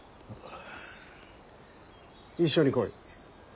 一緒に来い。